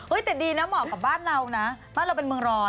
แต่ดีนะเหมาะกับบ้านเรานะบ้านเราเป็นเมืองร้อน